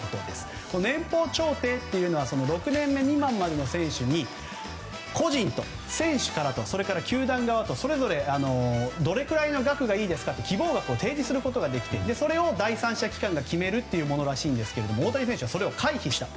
年俸調停というのは６年目未満までの選手に個人と選手からと球団側とどれぐらいの額がいいですかと希望額を提示することができてそれを第三者機関が決めるというものらしいですが大谷選手はそれを回避した。